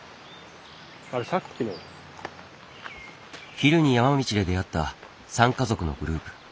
昼に山道で出会った３家族のグループ。